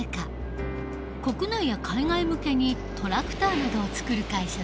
国内や海外向けにトラクターなどを作る会社だ。